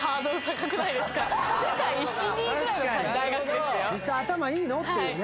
確かに実際頭いいの？っていうね